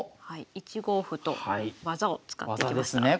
はい１五歩と技を使ってきました。